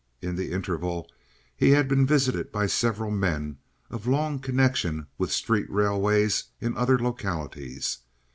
In the interval he had been visited by several men of long connection with street railways in other localities.